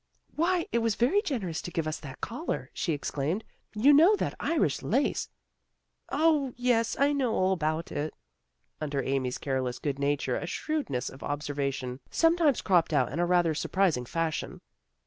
" Why, it was very generous to give us that collar," she exclaimed. " You know that Irish lace " O, yes, I know all about it." Under Amy's careless good nature a shrewdness of observa tion sometimes cropped out in a rather surpri sing fashion.